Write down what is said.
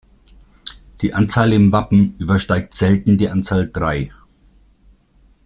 Die Anzahl im Wappen übersteigt selten die Anzahl drei.